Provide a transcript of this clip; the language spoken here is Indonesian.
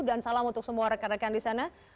dan salam untuk semua rekan rekan di sana